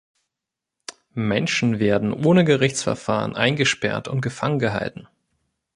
Menschen werden ohne Gerichtsverfahren eingesperrt und gefangen gehalten.